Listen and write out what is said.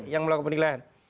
yang melakukan penilaian